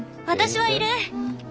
私は要る。